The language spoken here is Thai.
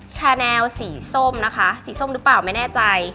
ชาแนลสีส้มนะคะสีส้มหรือเปล่าไม่แน่ใจ